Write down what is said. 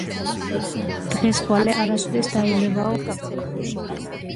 დღეს-ხვალე არასოდეს დაილევაო